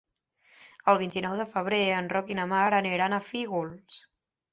El vint-i-nou de febrer en Roc i na Mar aniran a Fígols.